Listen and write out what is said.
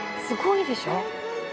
すごいでしょ。